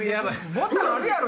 もっとあるやろ！